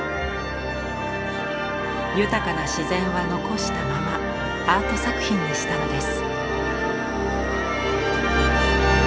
豊かな自然は残したままアート作品にしたのです。